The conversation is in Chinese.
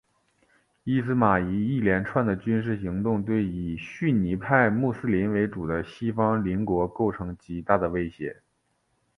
伊斯玛仪一连串的军事行动对以逊尼派穆斯林为主的西方邻国构成极大的威胁。